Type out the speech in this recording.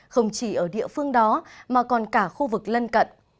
không chỉ ở địa phương đó mà còn cả khu vực lân cận